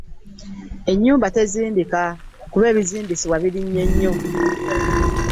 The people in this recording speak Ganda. Ennyumba tezimbika kuba ebizimbisibwa birinnye nnyo.